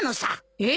えっ？